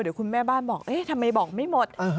เดี๋ยวคุณแม่บ้านบอกเอ๊ะทำไมบอกไม่หมด